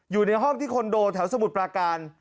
อยู่ในห้องที่คอนโดแถวสมุทรปราการ